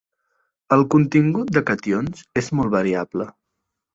El contingut de cations és molt variable.